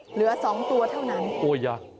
เหลือ๒ตัวเท่านั้น